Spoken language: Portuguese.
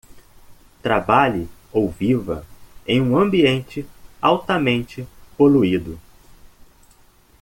Trabalhe ou viva em um ambiente altamente poluído